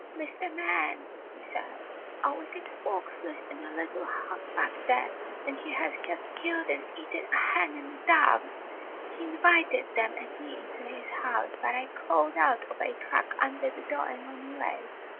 ''Mr. Man," he said, "a wicked fox lives in a little house back here, and he has just killed and eaten a hen and a dove ! He invited them and me into his house, but I crawled out of a crack under the door and ran away.